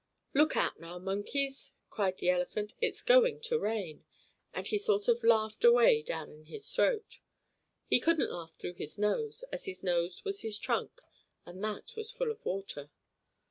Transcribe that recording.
"Look out now, monkeys!" cried the elephant. "It's going to rain!" and he sort of laughed away down in his throat. He couldn't laugh through his nose, as his nose was his trunk, and that was full of water.